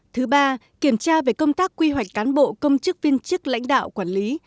thứ ba kiểm tra về công tác quy hoạch cán bộ công chức viên chức lãnh đạo quản lý